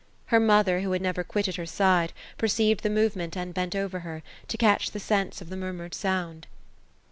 Her mother, who had never quitted her side, perceived the movement, and bent over her, to catch the sense of the murmured sound.